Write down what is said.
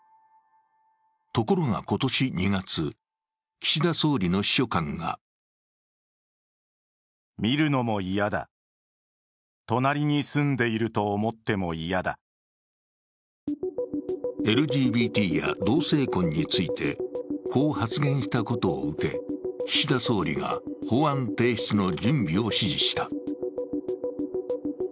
ところが今年２月、岸田総理の秘書官がＬＧＢＴや同性婚について、こう発言したことを受け、岸田総理が法案提出の準備を指示した。